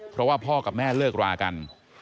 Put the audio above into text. เพราะว่าพ่อกับแม่เลิกรากัน